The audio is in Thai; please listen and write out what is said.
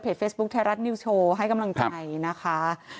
เฟซบุ๊คไทยรัฐนิวโชว์ให้กำลังใจนะคะ